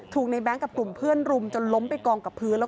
ถูกในแบงค์กับกลุ่มเพื่อนรุมจนล้มไปกองกับพื้น